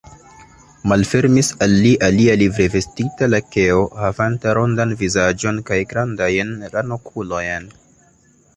Malfermis al li alia livrevestita lakeo, havanta rondan vizaĝon kaj grandajn ranokulojn.